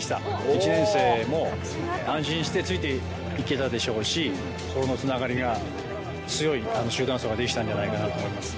１年生も安心してついていけたでしょうし、心のつながりが強い集団走ができたんじゃないかなと思います。